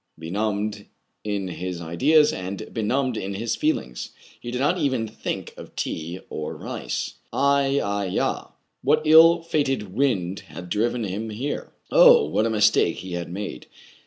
— benumbed in his ideas, and benumbed in his feelings. He did not even think of tea or rice. " Ai, ai, ya !" what ill fated wind had driven him here.^ Oh ! what a mistake he had made